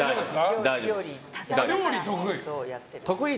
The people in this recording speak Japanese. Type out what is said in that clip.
料理得意？